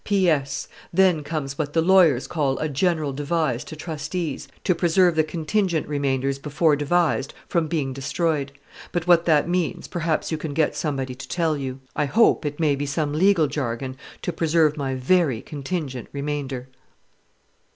"P.S. Then comes what the lawyers call a general devise to trustees, to preserve the contingent remainders before devised from being destroyed; but what that means, perhaps you can get somebody to tell you. I hope it may be some legal jargon to preserve my very contingent remainder."